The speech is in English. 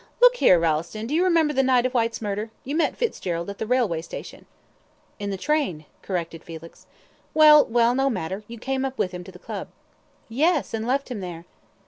"Look here, Rolleston, do you remember the night of Whyte's murder you met Fitzgerald at the Railway Station." "In the train," corrected Felix. "Well, well, no matter, you came up with him to the Club." "Yes, and left him there."